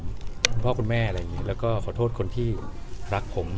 คุณพ่อคุณแม่อะไรอย่างนี้แล้วก็ขอโทษคนที่รักผม